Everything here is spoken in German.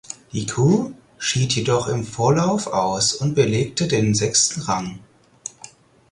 Die Crew schied jedoch im Vorlauf aus und belegte den sechsten Rang.